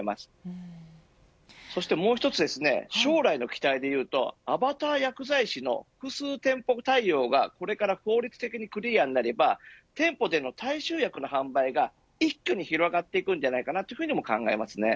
そしてもう一つ将来の期待でいうとアバター薬剤師の複数店舗対応がこれから法律的にクリアになれば店舗での大衆薬の販売が一挙に広がっていくと思います。